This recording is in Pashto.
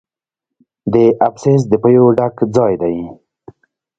د ابسیس د پیو ډک ځای دی.